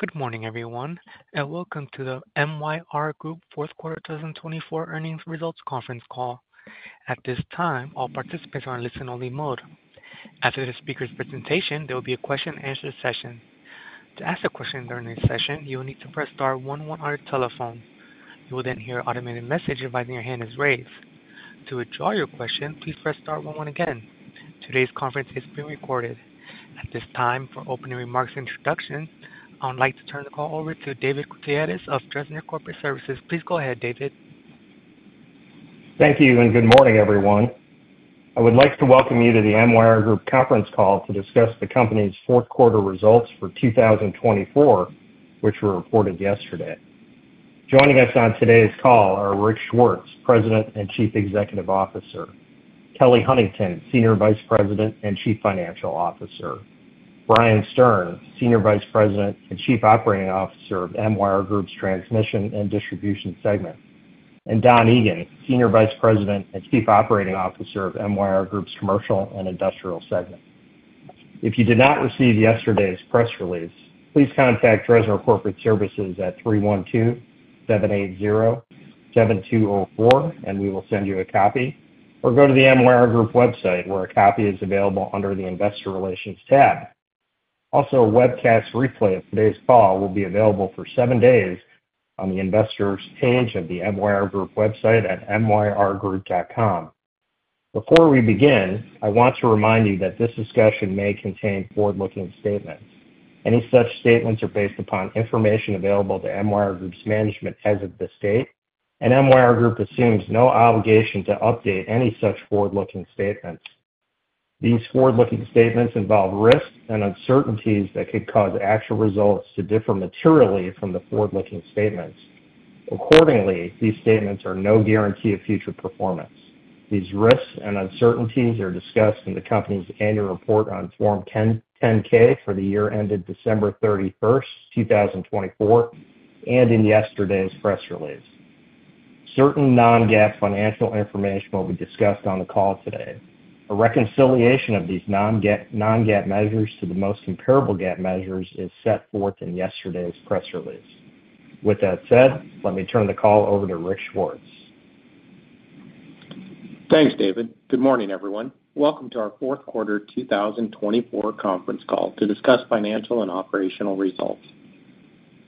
Good morning, everyone, and welcome to the MYR Group Fourth Quarter 2024 Earnings Results Conference Call. At this time, all participants are in listen-only mode. After the speaker's presentation, there will be a question-and-answer session. To ask a question during this session, you will need to press star one one on your telephone. You will then hear an automated message advising your hand is raised. To withdraw your question, please press star one one again. Today's conference is being recorded. At this time, for opening remarks and introduction, I would like to turn the call over to David Gutierrez of Dresner Corporate Services. Please go ahead, David. Thank you, and good morning, everyone. I would like to welcome you to the MYR Group Conference Call to discuss the company's fourth quarter results for 2024, which were reported yesterday. Joining us on today's call are Rick Swartz, President and Chief Executive Officer, Kelly Huntington, Senior Vice President and Chief Financial Officer, Brian Stern, Senior Vice President and Chief Operating Officer of MYR Group's Transmission and Distribution segment, and Don Egan, Senior Vice President and Chief Operating Officer of MYR Group's Commercial and Industrial segment. If you did not receive yesterday's press release, please contact Dresner Corporate Services at 312-780-7204, and we will send you a copy, or go to the MYR Group website where a copy is available under the Investor Relations tab. Also, a webcast replay of today's call will be available for seven days on the investors' page of the MYR Group website at myrgroup.com. Before we begin, I want to remind you that this discussion may contain forward-looking statements. Any such statements are based upon information available to MYR Group's management as of this date, and MYR Group assumes no obligation to update any such forward-looking statements. These forward-looking statements involve risks and uncertainties that could cause actual results to differ materially from the forward-looking statements. Accordingly, these statements are no guarantee of future performance. These risks and uncertainties are discussed in the company's annual report on Form 10-K for the year ended December 31st, 2024, and in yesterday's press release. Certain non-GAAP financial information will be discussed on the call today. A reconciliation of these non-GAAP measures to the most comparable GAAP measures is set forth in yesterday's press release. With that said, let me turn the call over to Rick Swartz. Thanks, David. Good morning, everyone. Welcome to our Fourth Quarter 2024 Conference Call to discuss financial and operational results.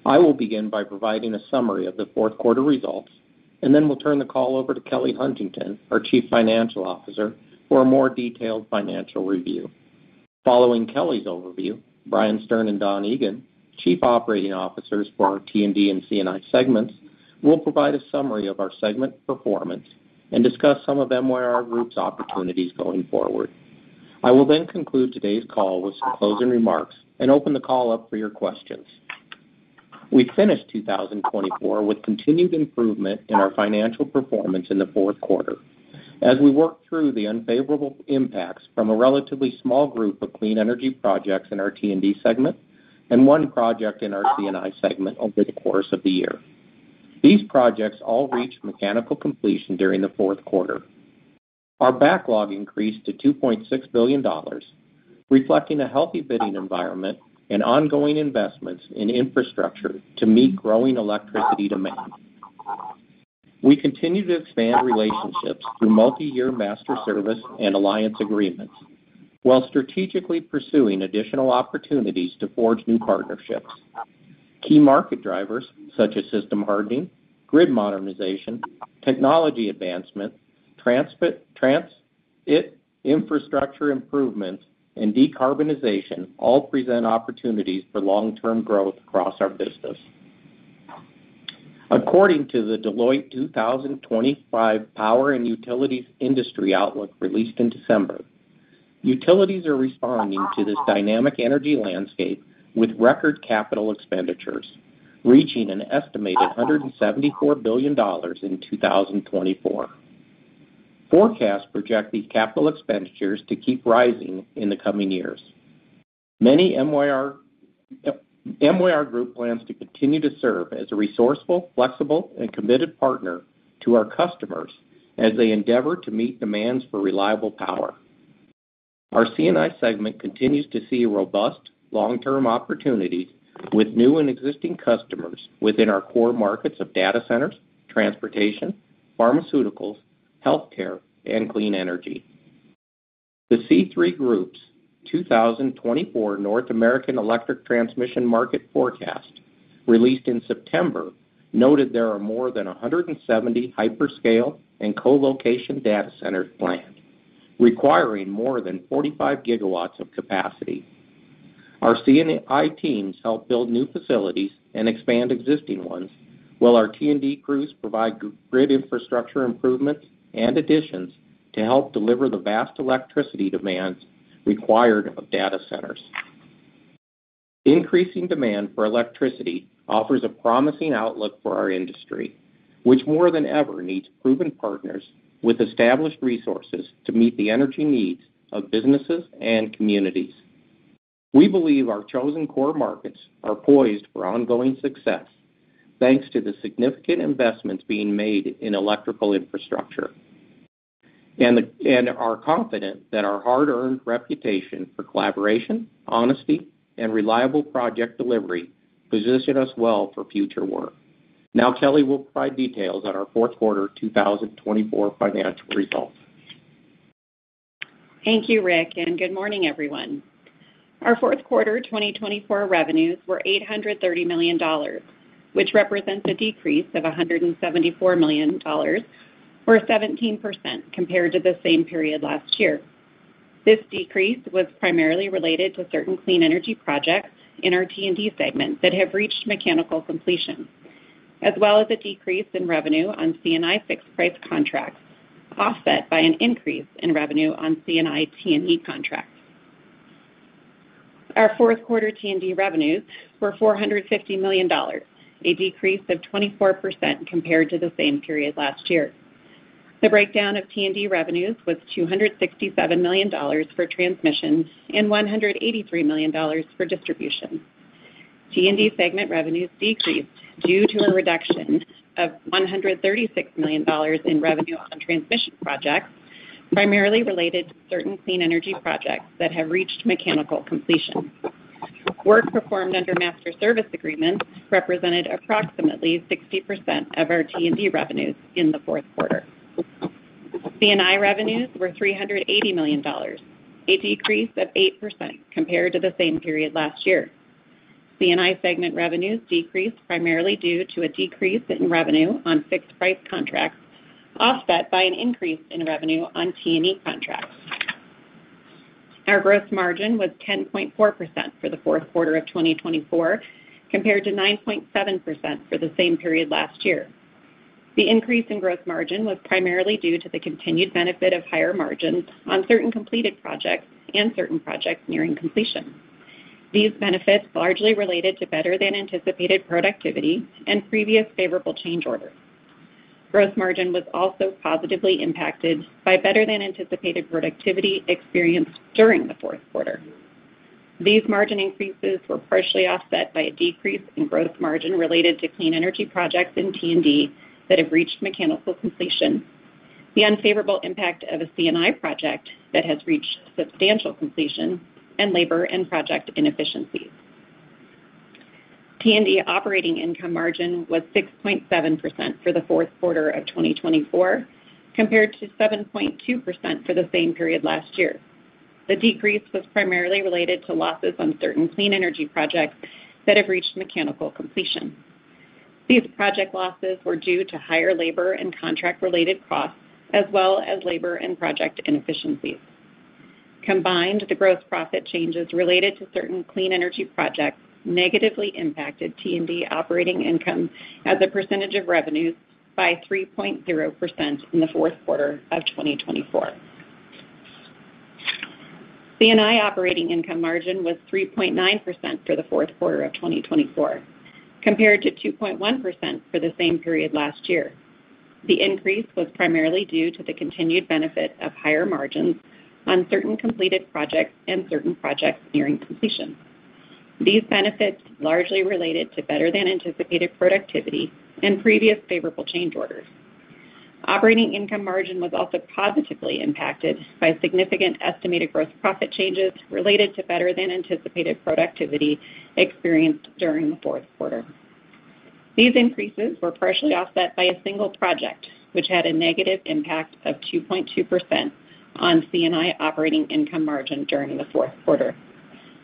I will begin by providing a summary of the fourth quarter results, and then we'll turn the call over to Kelly Huntington, our Chief Financial Officer, for a more detailed financial review. Following Kelly's overview, Brian Stern and Don Egan, Chief Operating Officers for our T&D and C&I segments, will provide a summary of our segment performance and discuss some of MYR Group's opportunities going forward. I will then conclude today's call with some closing remarks and open the call up for your questions. We finished 2024 with continued improvement in our financial performance in the fourth quarter as we worked through the unfavorable impacts from a relatively small group of clean energy projects in our T&D segment and one project in our C&I segment over the course of the year. These projects all reached mechanical completion during the fourth quarter. Our backlog increased to $2.6 billion, reflecting a healthy bidding environment and ongoing investments in infrastructure to meet growing electricity demand. We continue to expand relationships through multi-year master service and alliance agreements while strategically pursuing additional opportunities to forge new partnerships. Key market drivers such as system hardening, grid modernization, technology advancement, transit infrastructure improvements, and decarbonization all present opportunities for long-term growth across our business. According to the Deloitte 2025 Power and Utilities Industry Outlook released in December, utilities are responding to this dynamic energy landscape with record capital expenditures, reaching an estimated $174 billion in 2024. Forecasts project these capital expenditures to keep rising in the coming years. MYR Group plans to continue to serve as a resourceful, flexible, and committed partner to our customers as they endeavor to meet demands for reliable power. Our C&I segment continues to see robust long-term opportunities with new and existing customers within our core markets of data centers, transportation, pharmaceuticals, healthcare, and clean energy. The C3 Group's 2024 North American Electric Transmission Market Forecast, released in September, noted there are more than 170 hyperscale and colocation data centers planned, requiring more than 45 gigawatts of capacity. Our C&I teams help build new facilities and expand existing ones, while our T&D crews provide grid infrastructure improvements and additions to help deliver the vast electricity demands required of data centers. Increasing demand for electricity offers a promising outlook for our industry, which more than ever needs proven partners with established resources to meet the energy needs of businesses and communities. We believe our chosen core markets are poised for ongoing success, thanks to the significant investments being made in electrical infrastructure, and are confident that our hard-earned reputation for collaboration, honesty, and reliable project delivery position us well for future work. Now, Kelly will provide details on our Fourth Quarter 2024 financial results. Thank you, Rick, and good morning, everyone. Our Fourth Quarter 2024 revenues were $830 million, which represents a decrease of $174 million, or 17% compared to the same period last year. This decrease was primarily related to certain clean energy projects in our T&D segment that have reached mechanical completion, as well as a decrease in revenue on C&I fixed-price contracts, offset by an increase in revenue on C&I T&E contracts. Our Fourth Quarter T&D revenues were $450 million, a decrease of 24% compared to the same period last year. The breakdown of T&D revenues was $267 million for transmission and $183 million for distribution. T&D segment revenues decreased due to a reduction of $136 million in revenue on transmission projects, primarily related to certain clean energy projects that have reached mechanical completion. Work performed under master service agreements represented approximately 60% of our T&D revenues in the fourth quarter. C&I revenues were $380 million, a decrease of 8% compared to the same period last year. C&I segment revenues decreased primarily due to a decrease in revenue on fixed-price contracts, offset by an increase in revenue on T&E contracts. Our gross margin was 10.4% for the fourth quarter of 2024, compared to 9.7% for the same period last year. The increase in gross margin was primarily due to the continued benefit of higher margins on certain completed projects and certain projects nearing completion. These benefits largely related to better-than-anticipated productivity and previous favorable change orders. Gross margin was also positively impacted by better-than-anticipated productivity experienced during the fourth quarter. These margin increases were partially offset by a decrease in gross margin related to clean energy projects in T&D that have reached mechanical completion, the unfavorable impact of a C&I project that has reached substantial completion, and labor and project inefficiencies. T&D operating income margin was 6.7% for the fourth quarter of 2024, compared to 7.2% for the same period last year. The decrease was primarily related to losses on certain clean energy projects that have reached mechanical completion. These project losses were due to higher labor and contract-related costs, as well as labor and project inefficiencies. Combined, the gross profit changes related to certain clean energy projects negatively impacted T&D operating income as a percentage of revenues by 3.0% in the fourth quarter of 2024. C&I operating income margin was 3.9% for the fourth quarter of 2024, compared to 2.1% for the same period last year. The increase was primarily due to the continued benefit of higher margins on certain completed projects and certain projects nearing completion. These benefits largely related to better-than-anticipated productivity and previous favorable change orders. Operating income margin was also positively impacted by significant estimated gross profit changes related to better-than-anticipated productivity experienced during the fourth quarter. These increases were partially offset by a single project, which had a negative impact of 2.2% on C&I operating income margin during the fourth quarter.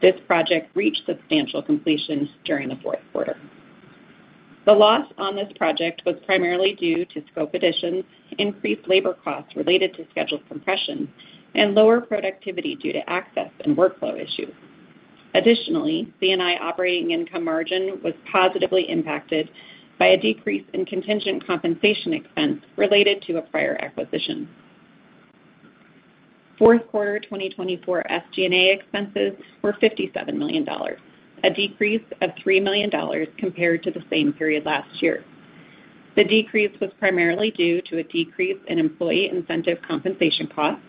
This project reached substantial completion during the fourth quarter. The loss on this project was primarily due to scope additions, increased labor costs related to schedule compression, and lower productivity due to access and workflow issues. Additionally, C&I operating income margin was positively impacted by a decrease in contingent compensation expense related to a prior acquisition. Fourth Quarter 2024 SG&A expenses were $57 million, a decrease of $3 million compared to the same period last year. The decrease was primarily due to a decrease in employee incentive compensation costs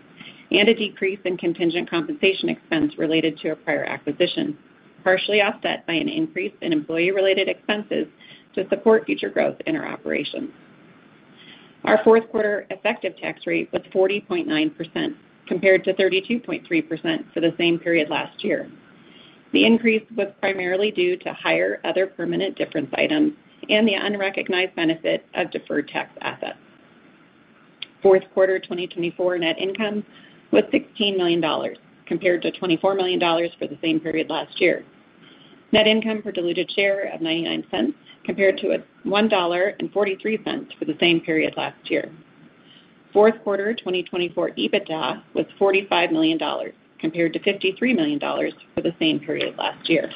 and a decrease in contingent compensation expense related to a prior acquisition, partially offset by an increase in employee-related expenses to support future growth in our operations. Our fourth quarter effective tax rate was 40.9% compared to 32.3% for the same period last year. The increase was primarily due to higher other permanent difference items and the unrecognized benefit of deferred tax assets. Fourth Quarter 2024 net income was $16 million compared to $24 million for the same period last year. Net income per diluted share of $0.99 compared to $1.43 for the same period last year. Fourth Quarter 2024 EBITDA was $45 million compared to $53 million for the same period last year.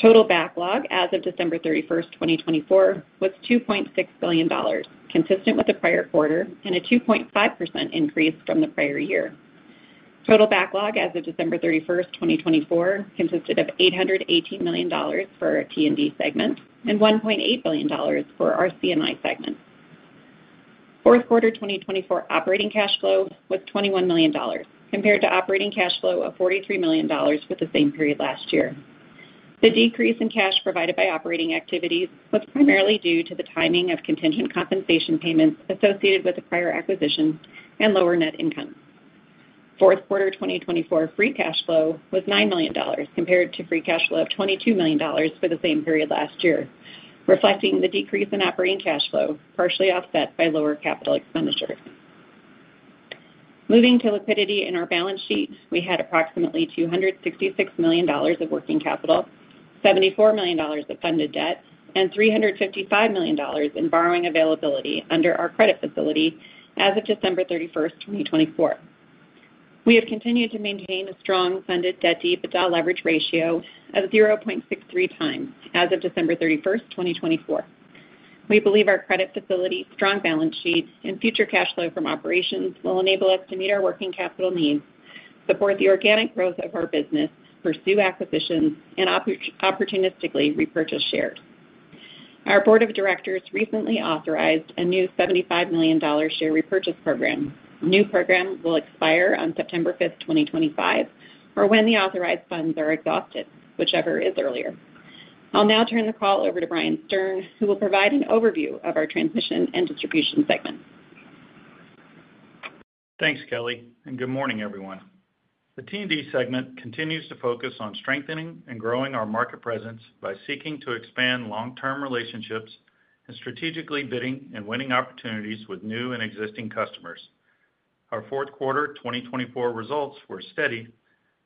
Total backlog as of December 31st, 2024, was $2.6 billion, consistent with the prior quarter and a 2.5% increase from the prior year. Total backlog as of December 31st, 2024, consisted of $818 million for our T&D segment and $1.8 billion for our C&I segment. Fourth Quarter 2024 operating cash flow was $21 million compared to operating cash flow of $43 million for the same period last year. The decrease in cash provided by operating activities was primarily due to the timing of contingent compensation payments associated with the prior acquisition and lower net income. Fourth Quarter 2024 free cash flow was $9 million compared to free cash flow of $22 million for the same period last year, reflecting the decrease in operating cash flow partially offset by lower capital expenditure. Moving to liquidity in our balance sheet, we had approximately $266 million of working capital, $74 million of funded debt, and $355 million in borrowing availability under our credit facility as of December 31st, 2024. We have continued to maintain a strong funded debt/EBITDA leverage ratio of 0.63 times as of December 31st, 2024. We believe our credit facility, strong balance sheet, and future cash flow from operations will enable us to meet our working capital needs, support the organic growth of our business, pursue acquisitions, and opportunistically repurchase shares. Our board of directors recently authorized a new $75 million share repurchase program. The new program will expire on September 5th, 2025, or when the authorized funds are exhausted, whichever is earlier. I'll now turn the call over to Brian Stern, who will provide an overview of our transmission and distribution segment. Thanks, Kelly, and good morning, everyone. The T&D segment continues to focus on strengthening and growing our market presence by seeking to expand long-term relationships and strategically bidding and winning opportunities with new and existing customers. Our Fourth Quarter 2024 results were steady,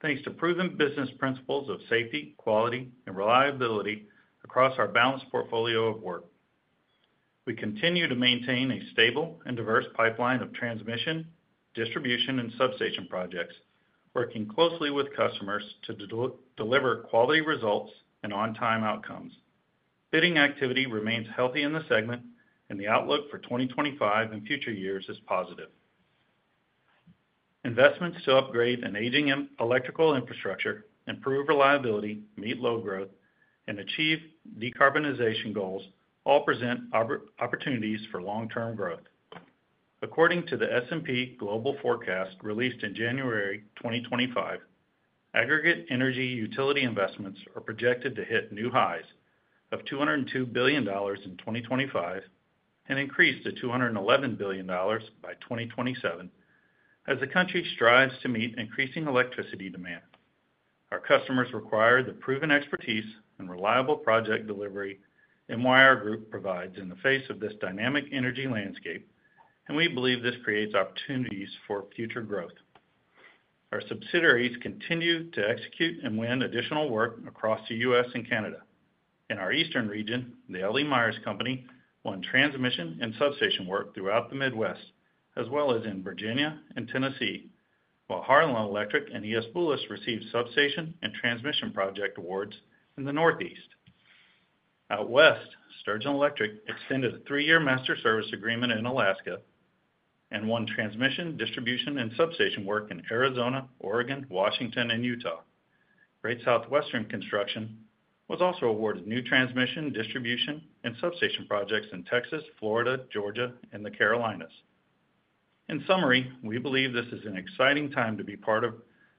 thanks to proven business principles of safety, quality, and reliability across our balanced portfolio of work. We continue to maintain a stable and diverse pipeline of transmission, distribution, and substation projects, working closely with customers to deliver quality results and on-time outcomes. Bidding activity remains healthy in the segment, and the outlook for 2025 and future years is positive. Investments to upgrading aging electrical infrastructure, improve reliability, meet load growth, and achieve decarbonization goals all present opportunities for long-term growth. According to the S&P Global Forecast released in January 2025, aggregate energy utility investments are projected to hit new highs of $202 billion in 2025 and increase to $211 billion by 2027 as the country strives to meet increasing electricity demand. Our customers require the proven expertise and reliable project delivery MYR Group provides in the face of this dynamic energy landscape, and we believe this creates opportunities for future growth. Our subsidiaries continue to execute and win additional work across the U.S. and Canada. In our eastern region, The L.E. Myers Co. won transmission and substation work throughout the Midwest, as well as in Virginia and Tennessee, while Harlan Electric and E.S. Boulos received substation and transmission project awards in the Northeast. Out west, Sturgeon Electric extended a three-year master service agreement in Alaska and won transmission, distribution, and substation work in Arizona, Oregon, Washington, and Utah. Great Southwestern Construction was also awarded new transmission, distribution, and substation projects in Texas, Florida, Georgia, and the Carolinas. In summary, we believe this is an exciting time to be part of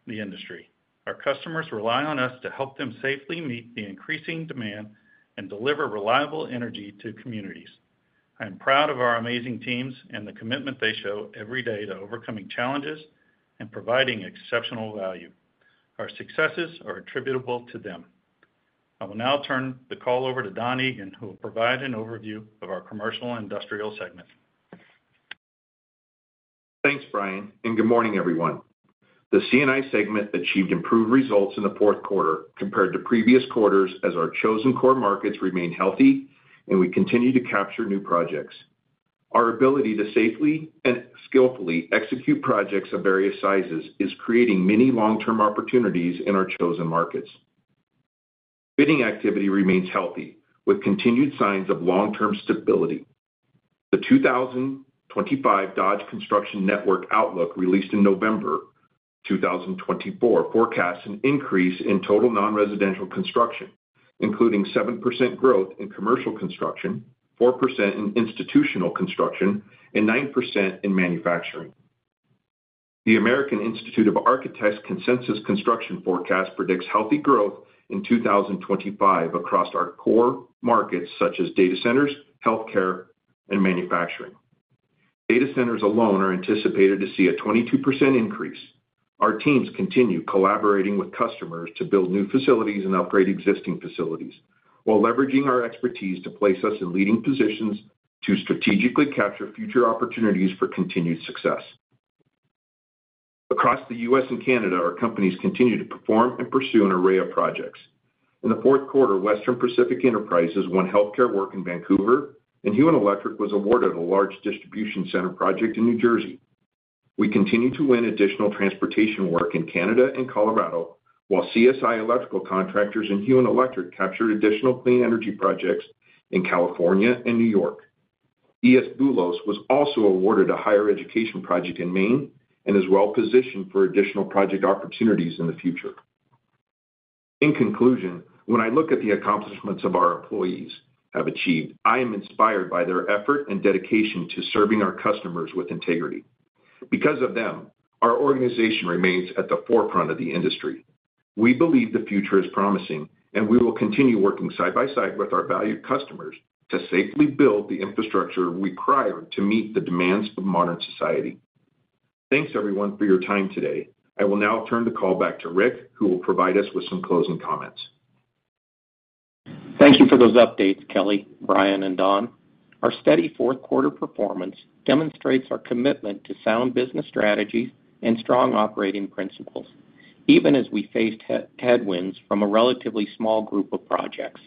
the industry. Our customers rely on us to help them safely meet the increasing demand and deliver reliable energy to communities. I am proud of our amazing teams and the commitment they show every day to overcoming challenges and providing exceptional value. Our successes are attributable to them. I will now turn the call over to Don Egan, who will provide an overview of our commercial and industrial segment. Thanks, Brian, and good morning, everyone. The C&I segment achieved improved results in the fourth quarter compared to previous quarters as our chosen core markets remain healthy and we continue to capture new projects. Our ability to safely and skillfully execute projects of various sizes is creating many long-term opportunities in our chosen markets. Bidding activity remains healthy, with continued signs of long-term stability. The 2025 Dodge Construction Network Outlook released in November 2024 forecasts an increase in total non-residential construction, including 7% growth in commercial construction, 4% in institutional construction, and 9% in manufacturing. The American Institute of Architects' Consensus Construction Forecast predicts healthy growth in 2025 across our core markets such as data centers, healthcare, and manufacturing. Data centers alone are anticipated to see a 22% increase. Our teams continue collaborating with customers to build new facilities and upgrade existing facilities, while leveraging our expertise to place us in leading positions to strategically capture future opportunities for continued success. Across the U.S. and Canada, our companies continue to perform and pursue an array of projects. In the fourth quarter, Western Pacific Enterprises won healthcare work in Vancouver, and Huen Electric was awarded a large distribution center project in New Jersey. We continue to win additional transportation work in Canada and Colorado, while CSI Electrical Contractors and Huen Electric captured additional clean energy projects in California and New York. E.S. Boulos was also awarded a higher education project in Maine and is well-positioned for additional project opportunities in the future. In conclusion, when I look at the accomplishments our employees have achieved, I am inspired by their effort and dedication to serving our customers with integrity. Because of them, our organization remains at the forefront of the industry. We believe the future is promising, and we will continue working side by side with our valued customers to safely build the infrastructure required to meet the demands of modern society. Thanks, everyone, for your time today. I will now turn the call back to Rick, who will provide us with some closing comments. Thank you for those updates, Kelly, Brian, and Don. Our steady fourth quarter performance demonstrates our commitment to sound business strategies and strong operating principles, even as we face headwinds from a relatively small group of projects.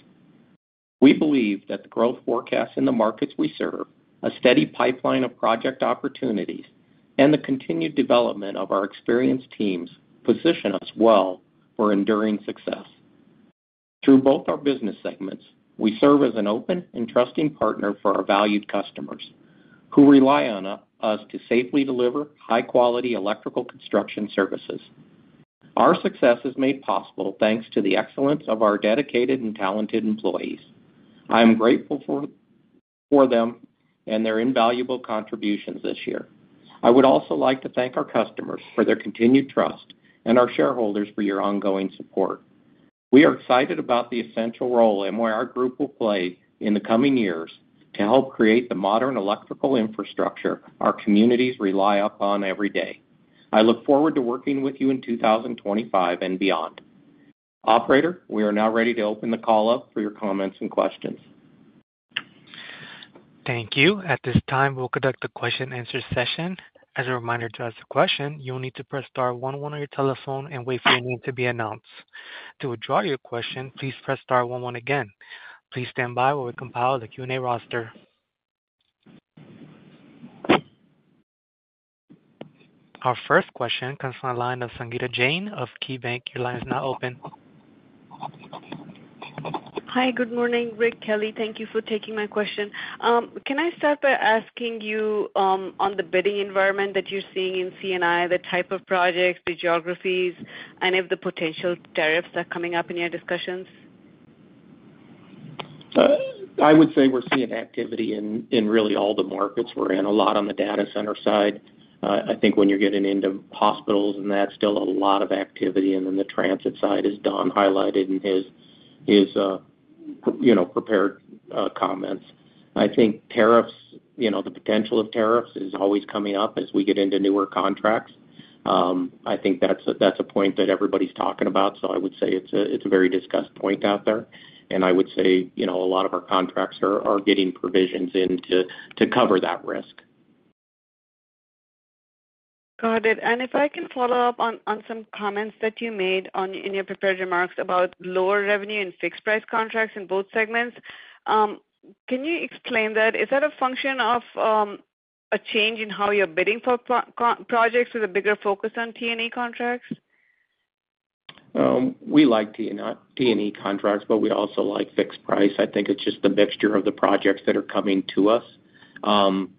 We believe that the growth forecasts in the markets we serve, a steady pipeline of project opportunities, and the continued development of our experienced teams position us well for enduring success. Through both our business segments, we serve as an open and trusting partner for our valued customers, who rely on us to safely deliver high-quality electrical construction services. Our success is made possible thanks to the excellence of our dedicated and talented employees. I am grateful for them and their invaluable contributions this year. I would also like to thank our customers for their continued trust and our shareholders for your ongoing support. We are excited about the essential role MYR Group will play in the coming years to help create the modern electrical infrastructure our communities rely upon every day. I look forward to working with you in 2025 and beyond. Operator, we are now ready to open the call up for your comments and questions. Thank you. At this time, we'll conduct the question-and-answer session. As a reminder, to ask a question, you'll need to press star one one on your telephone and wait for your name to be announced. To withdraw your question, please press star one one again. Please stand by while we compile the Q&A roster. Our first question comes from the line of Sangita Jain of KeyBanc. Your line is now open. Hi, good morning, Rick, Kelly. Thank you for taking my question. Can I start by asking you on the bidding environment that you're seeing in C&I, the type of projects, the geographies, and if the potential tariffs are coming up in your discussions? I would say we're seeing activity in really all the markets we're in, a lot on the data center side. I think when you're getting into hospitals and that's still a lot of activity, and then the transit side is Don highlighted in his prepared comments. I think tariffs, the potential of tariffs is always coming up as we get into newer contracts. I think that's a point that everybody's talking about, so I would say it's a very discussed point out there, and I would say a lot of our contracts are getting provisions in to cover that risk. Got it. And if I can follow up on some comments that you made in your prepared remarks about lower revenue and fixed-price contracts in both segments, can you explain that? Is that a function of a change in how you're bidding for projects with a bigger focus on T&E contracts? We like T&E contracts, but we also like fixed price. I think it's just the mixture of the projects that are coming to us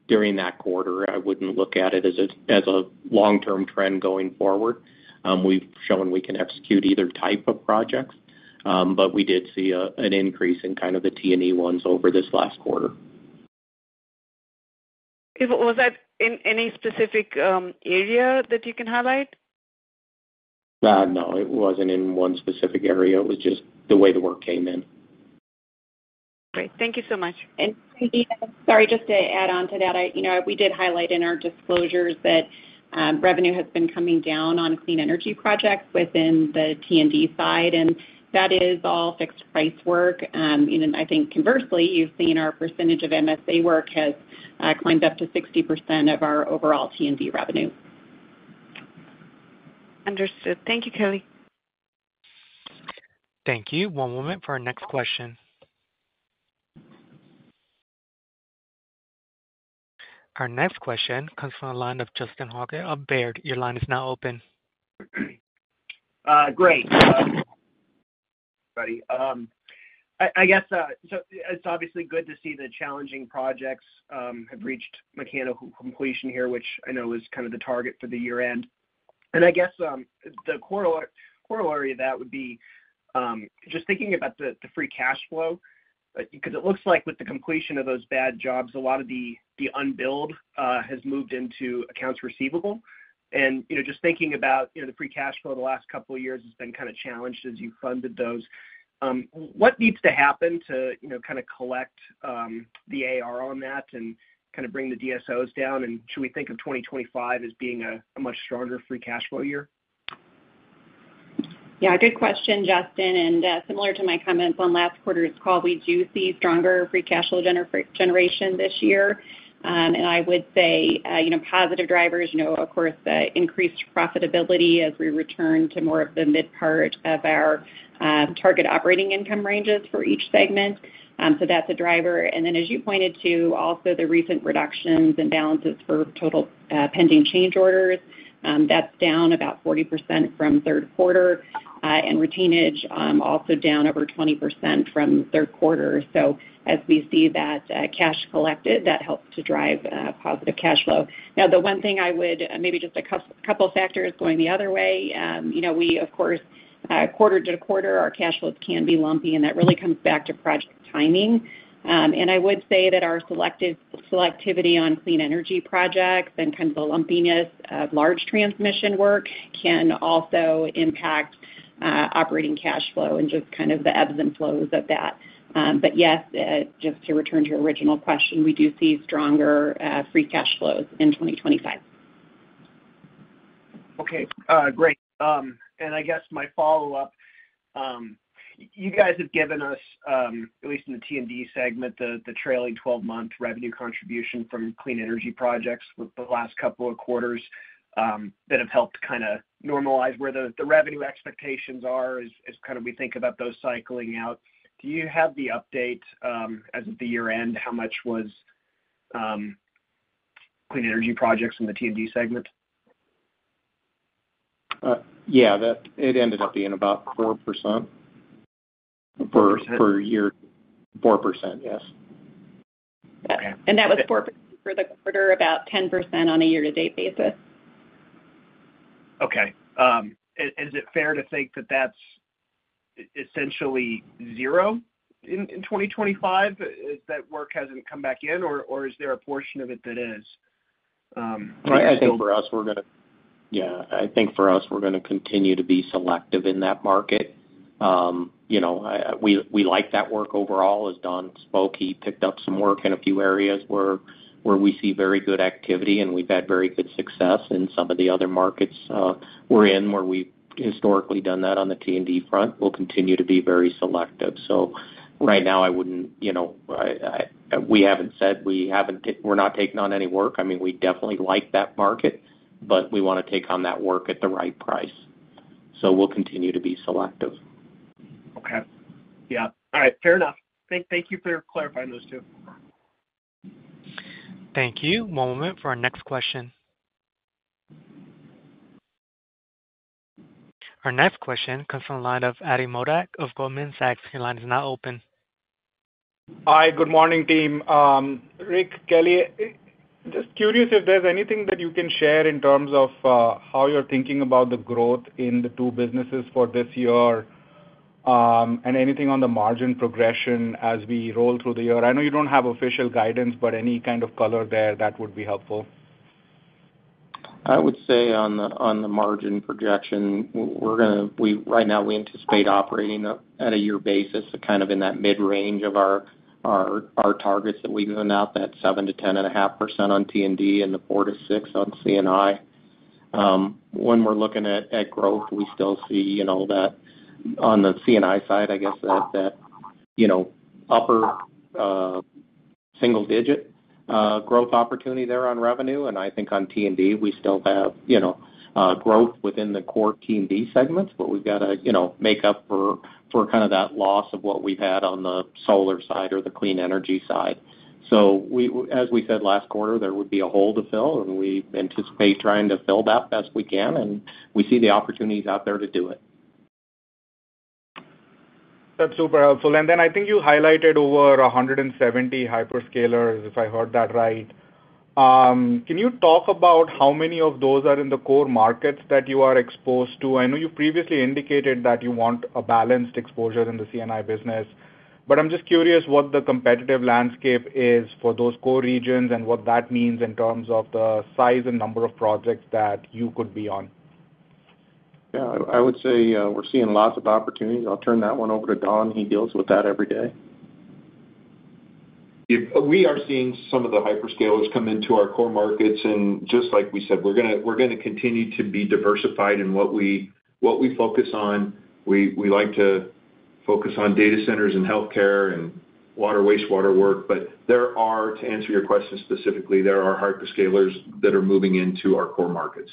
during that quarter. I wouldn't look at it as a long-term trend going forward. We've shown we can execute either type of projects, but we did see an increase in kind of the T&E ones over this last quarter. Was that in any specific area that you can highlight? No, it wasn't in one specific area. It was just the way the work came in. Great. Thank you so much. Sangeeta, sorry, just to add on to that, we did highlight in our disclosures that revenue has been coming down on clean energy projects within the T&D side, and that is all fixed-price work. I think conversely, you've seen our percentage of MSA work has climbed up to 60% of our overall T&D revenue. Understood. Thank you, Kelly. Thank you. One moment for our next question. Our next question comes from the line of Justin Hauke. Baird, your line is now open. Great. I guess it's obviously good to see the challenging projects have reached mechanical completion here, which I know is kind of the target for the year-end. And I guess the corollary of that would be just thinking about the free cash flow, because it looks like with the completion of those bad jobs, a lot of the unbilled has moved into accounts receivable. And just thinking about the free cash flow the last couple of years has been kind of challenged as you funded those. What needs to happen to kind of collect the AR on that and kind of bring the DSOs down? And should we think of 2025 as being a much stronger free cash flow year? Yeah, good question, Justin. And similar to my comments on last quarter's call, we do see stronger free cash flow generation this year. And I would say positive drivers, of course, increased profitability as we return to more of the mid part of our target operating income ranges for each segment. So that's a driver. And then, as you pointed to, also the recent reductions in balances for total pending change orders. That's down about 40% from third quarter, and retainage also down over 20% from third quarter. So as we see that cash collected, that helps to drive positive cash flow. Now, the one thing I would maybe just a couple of factors going the other way. We, of course, quarter to quarter, our cash flows can be lumpy, and that really comes back to project timing. And I would say that our selectivity on clean energy projects and kind of the lumpiness of large transmission work can also impact operating cash flow and just kind of the ebbs and flows of that. But yes, just to return to your original question, we do see stronger free cash flows in 2025. Okay. Great. And I guess my follow-up, you guys have given us, at least in the T&D segment, the trailing 12-month revenue contribution from clean energy projects with the last couple of quarters that have helped kind of normalize where the revenue expectations are as kind of we think about those cycling out. Do you have the update as of the year-end? How much was clean energy projects in the T&D segment? Yeah, it ended up being about 4% for a year. 4%, yes. That was 4% for the quarter, about 10% on a year-to-date basis. Okay. Is it fair to think that that's essentially zero in 2025? That work hasn't come back in, or is there a portion of it that is? I think for us, we're going to continue to be selective in that market. We like that work overall, as Don spoke. He picked up some work in a few areas where we see very good activity, and we've had very good success in some of the other markets we're in where we've historically done that on the T&D front. We'll continue to be very selective, so right now, I wouldn't, we haven't said we're not taking on any work. I mean, we definitely like that market, but we want to take on that work at the right price, so we'll continue to be selective. Okay. Yeah. All right. Fair enough. Thank you for clarifying those two. Thank you. One moment for our next question. Our next question comes from the line of Ati Modak of Goldman Sachs. Your line is now open. Hi, good morning, team. Rick, Kelly, just curious if there's anything that you can share in terms of how you're thinking about the growth in the two businesses for this year and anything on the margin progression as we roll through the year. I know you don't have official guidance, but any kind of color there, that would be helpful. I would say on the margin projection, right now, we anticipate operating at a year basis, kind of in that mid range of our targets that we've been out, that 7%-10.5% on T&D and the 4%-6% on C&I. When we're looking at growth, we still see that on the C&I side, I guess that upper single-digit growth opportunity there on revenue. And I think on T&D, we still have growth within the core T&D segments, but we've got to make up for kind of that loss of what we've had on the solar side or the clean energy side. So as we said last quarter, there would be a hole to fill, and we anticipate trying to fill that best we can, and we see the opportunities out there to do it. That's super helpful. And then I think you highlighted over 170 hyperscalers, if I heard that right. Can you talk about how many of those are in the core markets that you are exposed to? I know you previously indicated that you want a balanced exposure in the C&I business, but I'm just curious what the competitive landscape is for those core regions and what that means in terms of the size and number of projects that you could be on. Yeah, I would say we're seeing lots of opportunities. I'll turn that one over to Don. He deals with that every day. We are seeing some of the hyperscalers come into our core markets. And just like we said, we're going to continue to be diversified in what we focus on. We like to focus on data centers and healthcare and water wastewater work. But there are, to answer your question specifically, there are hyperscalers that are moving into our core markets.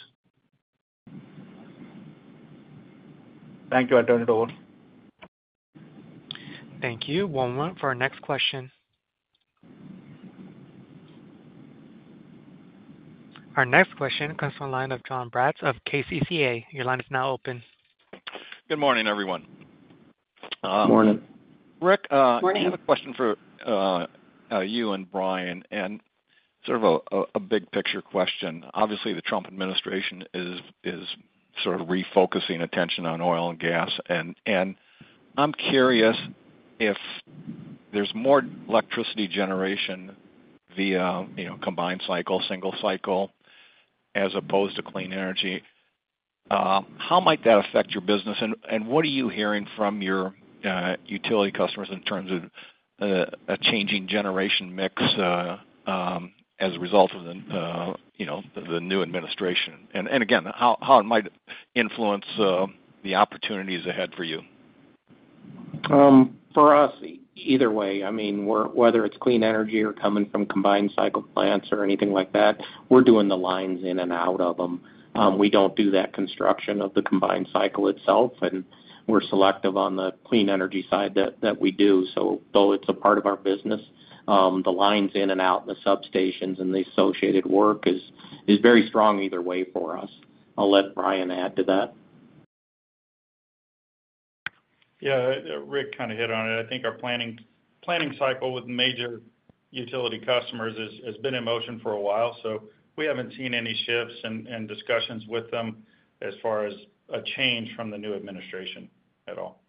Thank you. I'll turn it over. Thank you. One moment for our next question. Our next question comes from the line of Jon Braatz of KCCA. Your line is now open. Good morning, everyone. Morning. Rick, I have a question for you and Brian and sort of a big picture question. Obviously, the Trump administration is sort of refocusing attention on oil and gas, and I'm curious if there's more electricity generation via combined cycle, single cycle, as opposed to clean energy. How might that affect your business, and what are you hearing from your utility customers in terms of a changing generation mix as a result of the new administration? And again, how it might influence the opportunities ahead for you? For us, either way. I mean, whether it's clean energy or coming from combined cycle plants or anything like that, we're doing the lines in and out of them. We don't do that construction of the combined cycle itself, and we're selective on the clean energy side that we do. So though it's a part of our business, the lines in and out and the substations and the associated work is very strong either way for us. I'll let Brian add to that. Yeah, Rick kind of hit on it. I think our planning cycle with major utility customers has been in motion for a while, so we haven't seen any shifts and discussions with them as far as a change from the new administration at all.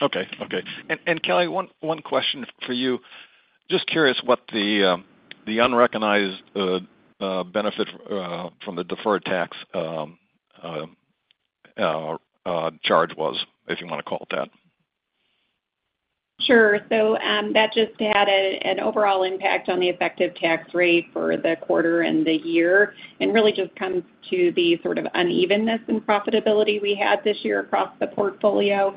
Okay. And Kelly, one question for you. Just curious what the unrecognized benefit from the deferred tax charge was, if you want to call it that. Sure. So that just had an overall impact on the effective tax rate for the quarter and the year. And really just comes to the sort of unevenness in profitability we had this year across the portfolio.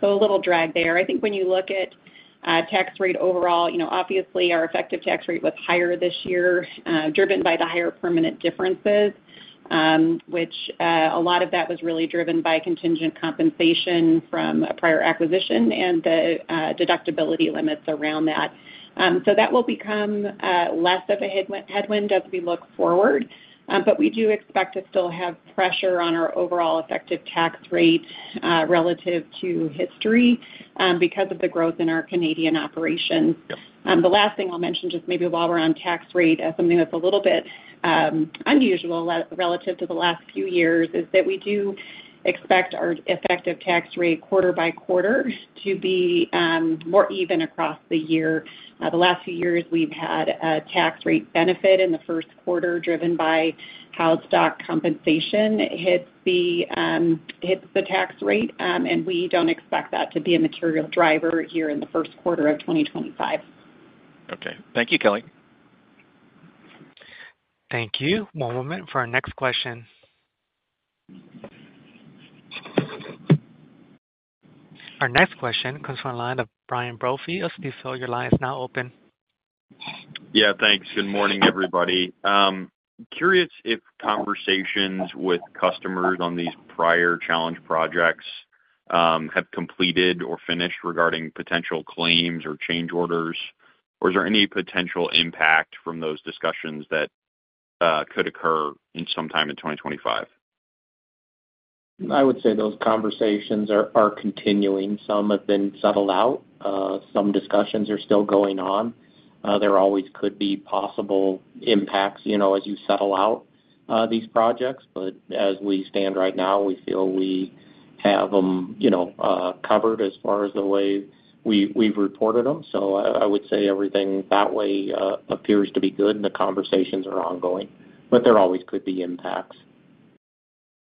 So a little drag there. I think when you look at tax rate overall, obviously our effective tax rate was higher this year driven by the higher permanent differences, which a lot of that was really driven by contingent compensation from a prior acquisition and the deductibility limits around that. So that will become less of a headwind as we look forward. But we do expect to still have pressure on our overall effective tax rate relative to history because of the growth in our Canadian operations. The last thing I'll mention just maybe while we're on tax rate as something that's a little bit unusual relative to the last few years is that we do expect our effective tax rate quarter by quarter to be more even across the year. The last few years we've had a tax rate benefit in the first quarter driven by how stock compensation hits the tax rate, and we don't expect that to be a material driver here in the first quarter of 2025. Okay. Thank you, Kelly. Thank you. One moment for our next question. Our next question comes from the line of Brian Brophy of Stifel, your line is now open. Yeah, thanks. Good morning, everybody. Curious if conversations with customers on these prior challenge projects have completed or finished regarding potential claims or change orders, or is there any potential impact from those discussions that could occur in some time in 2025? I would say those conversations are continuing. Some have been settled out. Some discussions are still going on. There always could be possible impacts as you settle out these projects. But as we stand right now, we feel we have them covered as far as the way we've reported them. So I would say everything that way appears to be good, and the conversations are ongoing, but there always could be impacts.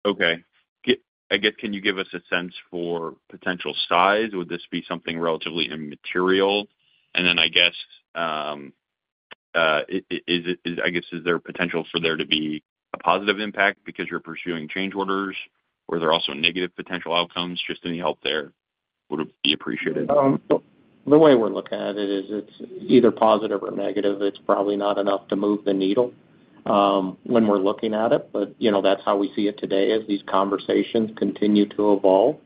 Okay. I guess, can you give us a sense for potential size? Would this be something relatively immaterial? And then I guess, I guess is there potential for there to be a positive impact because you're pursuing change orders, or are there also negative potential outcomes? Just any help there would be appreciated. The way we're looking at it is it's either positive or negative. It's probably not enough to move the needle when we're looking at it. But that's how we see it today as these conversations continue to evolve.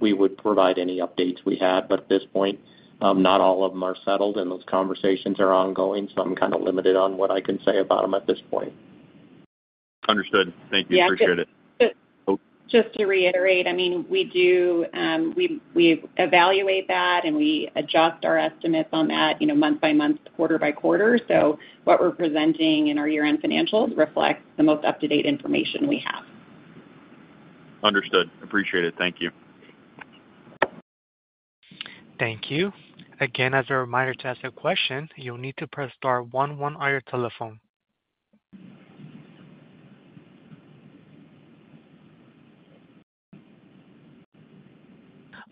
We would provide any updates we had, but at this point, not all of them are settled, and those conversations are ongoing. So I'm kind of limited on what I can say about them at this point. Understood. Thank you. Appreciate it. Yeah. Just to reiterate, I mean, we evaluate that, and we adjust our estimates on that month by month, quarter by quarter. So what we're presenting in our year-end financials reflects the most up-to-date information we have. Understood. Appreciate it. Thank you. Thank you. Again, as a reminder to ask a question, you'll need to press star one one on your telephone.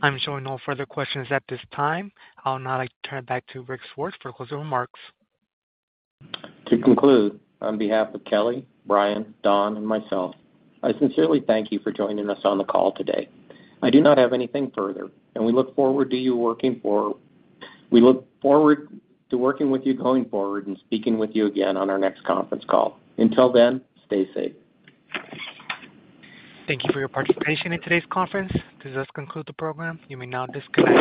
I'm showing no further questions at this time. I'll now turn it back to Rick Swartz for closing remarks. To conclude, on behalf of Kelly, Brian, Don, and myself, I sincerely thank you for joining us on the call today. I do not have anything further, and we look forward to working with you going forward and speaking with you again on our next conference call. Until then, stay safe. Thank you for your participation in today's conference. This does conclude the program. You may now disconnect.